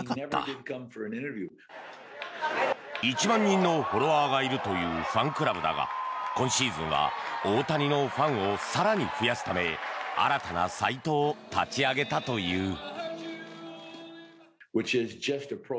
１万人のフォロワーがいるというファンクラブだが今シーズンは大谷のファンを更に増やすため新たなサイトを立ち上げたという。